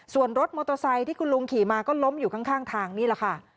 ส่วนรถมอเตอร์ไซค์ที่คุณลุงขี่มาก็ล้มอยู่ข้างทางนี่แหละค่ะ